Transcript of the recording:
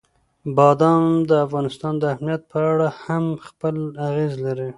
بادام د افغانستان د امنیت په اړه هم خپل اغېز لري.